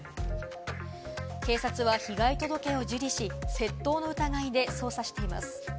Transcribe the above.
警察は被害届を受理し、窃盗の疑いで捜査しています。